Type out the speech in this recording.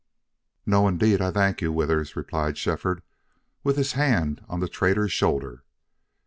"No indeed. I thank you, Withers," replied Shefford, with his hand on the trader's shoulder.